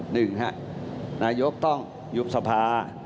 หนึ่งฮะนายกต้องยุบสภา